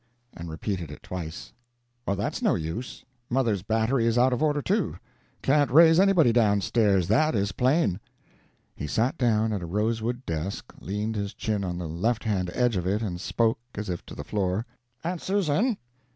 and repeated it twice. "Well, that's no use. Mother's battery is out of order, too. Can't raise anybody down stairs that is plain." He sat down at a rosewood desk, leaned his chin on the left hand edge of it and spoke, as if to the floor: "Aunt Susan!"